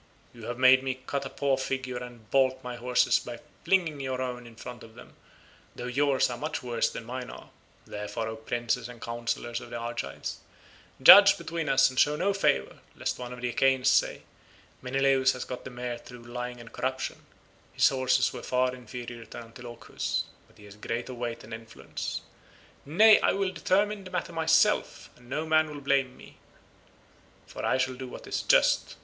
You have made me cut a poor figure and baulked my horses by flinging your own in front of them, though yours are much worse than mine are; therefore, O princes and counsellors of the Argives, judge between us and show no favour, lest one of the Achaeans say, 'Menelaus has got the mare through lying and corruption; his horses were far inferior to Antilochus's, but he has greater weight and influence.' Nay, I will determine the matter myself, and no man will blame me, for I shall do what is just.